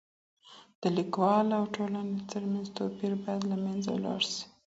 د ليکوال او ټولني ترمنځ توپير بايد له منځه ولاړ سي.